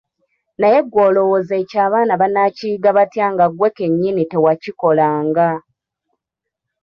Naye ggwe olowooza ekyo abaana banakiyiga batya nga ggwe kennyini tewakikolanga?